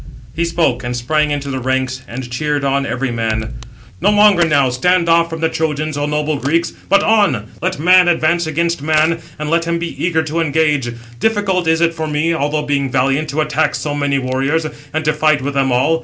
He spoke, and sprang into the ranks, and cheered on every man: "No longer now stand off from the Trojans, O noble Greeks, but on! let man advance against man, and let him be eager to engage. Difficult is it for me, although being valiant, to attack so many warriors, and to fight with them all.